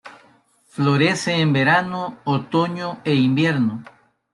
Florece en verano, otoño e invierno.